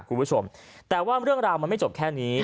คุณผู้ชมแต่ว่าเรื่องราวมันไม่จบแค่นี้